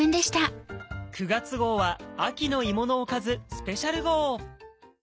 ９月号は秋の芋のおかずスペシャル号。